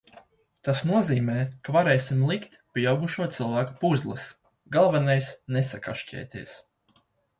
Tas nozīmē, ka varēsim likt pieaugušo cilvēku puzles, galvenais nesakašķēties.